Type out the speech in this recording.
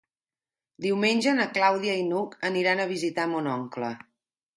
Diumenge na Clàudia i n'Hug aniran a visitar mon oncle.